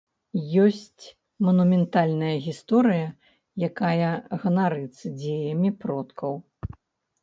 Ёсць манументальная гісторыя, якая ганарыцца дзеямі продкаў.